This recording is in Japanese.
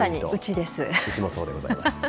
うちもそうでございます。